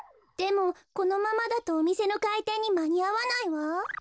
でもこのままだとおみせのかいてんにまにあわないわ。